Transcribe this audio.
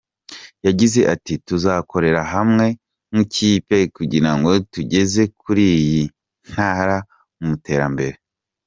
Yagize ati : “Tuzakorera hamwe nk’ikipe kugirango tugeze kure iyi ntara mu iterambere”.